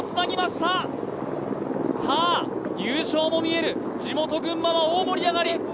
優勝も見える、地元・群馬は大盛り上がり。